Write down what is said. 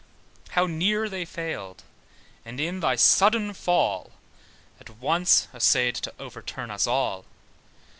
How near they failed, and in thy sudden fall At once assayed to overturn us all.